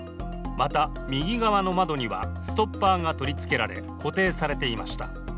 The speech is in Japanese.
また、右側の窓にはストッパーが取り付けられ固定されていました。